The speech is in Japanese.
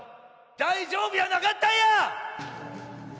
大丈夫やなかったんや！